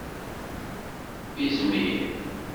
Izmir.